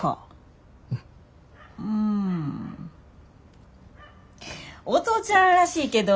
うんお父ちゃんらしいけど。